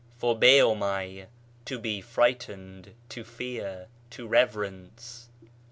φοβέομαι, to be frightened, to fear, to reverence.